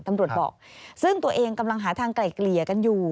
ตำรวจบอกซึ่งตัวเองกำลังหาทางไกล่เกลี่ยกันอยู่